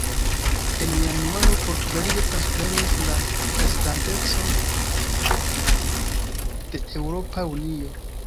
En januaro Portugalio transprenis la prezidantecon de Eŭropa Unio.